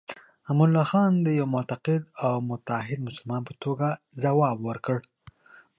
امان الله خان د یوه معتقد او متعهد مسلمان په توګه ځواب ورکړ.